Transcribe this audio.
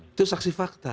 itu saksi fakta